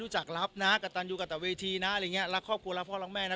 จากรับนะกับตันอยู่กับเวทีนะรักครอบครัวรักพ่อรักแม่นะ